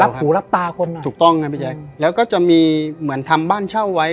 รับหูรับตาคนถูกต้องครับพี่ใจแล้วก็จะมีเหมือนทำบ้านเช่าไว้